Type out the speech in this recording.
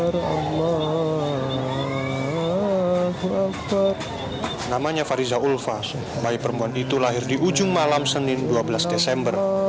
pertama fariza ulfa bayi perempuan itu lahir di ujung malam senin dua belas desember